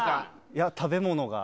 いや食べ物が。